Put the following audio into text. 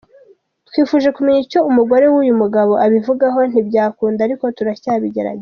Twifuje kumenya icyo umugore w’uyu mugabo abivugaho ntibyakunda ariko turacyabigerageza.